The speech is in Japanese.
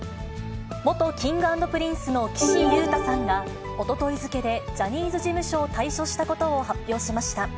元Ｋｉｎｇ＆Ｐｒｉｎｃｅの岸優太さんが、おととい付けでジャニーズ事務所を退所したことを発表しました。